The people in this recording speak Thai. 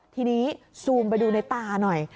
ทีนี้ซูมไปดูในตาหน่อย